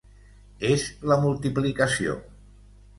És la multiplicació.